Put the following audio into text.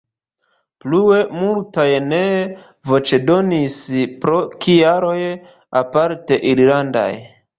Plue, multaj nee voĉdonis pro kialoj aparte irlandaj.